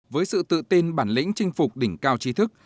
với sự tự tin bản lĩnh chinh phục đỉnh cao trí thức